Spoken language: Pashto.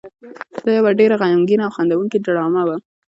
دا یو ډېره غمګینه او خندوونکې ډرامه وه.